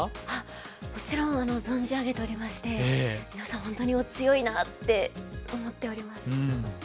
あっもちろん存じ上げておりまして皆さん本当にお強いなって思っております。